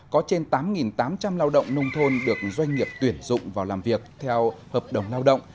có trên tám tám trăm linh lao động nông thôn được doanh nghiệp tuyển dụng vào làm việc theo hợp đồng lao động